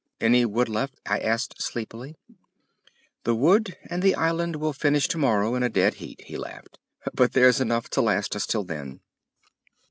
"Any wood left?" I asked sleepily. "The wood and the island will finish tomorrow in a dead heat," he laughed, "but there's enough to last us till then."